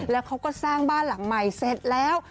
แล้วเขาก็สร้างบ้านหลังใหม่เสร็จแล้ว